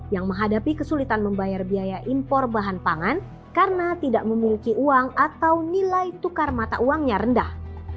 yang menghadapi kesulitan membayar biaya impor bahan pangan karena tidak memiliki uang atau nilai tukar mata uangnya rendah